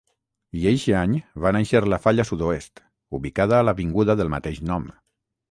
I eixe any va nàixer la Falla Sud-oest, ubicada a l'avinguda del mateix nom.